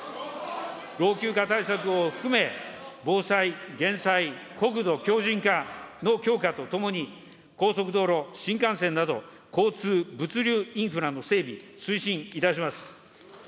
老朽化対策を含め、防災・減災、国土強じん化の強化とともに、高速道路、新幹線など、交通、物流インフラの整備、推進いたします。